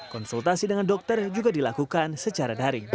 konsultasi dengan dokter juga dilakukan secara daring